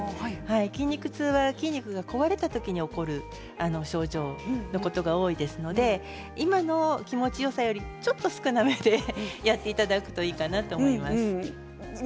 筋肉痛は筋肉が壊れた時に起こる症状のことが多いですので今の気持ちよさをよりちょっと少なめでやっていただくといいかなと思います。